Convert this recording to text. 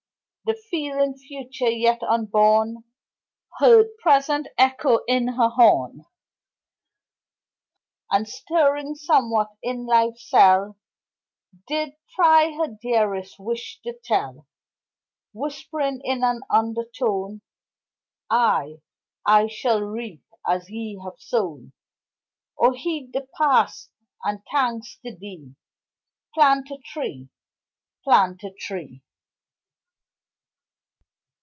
The feeling Future, yet unborn, Heard Present echoing her horn, And stirring somewhat in Life's cell Did try her dearest wish to tell, Whispering in an undertone: I I shall reap as ye have sown, O heed the Past! and thanks to thee Plant a tree, Plant a tree.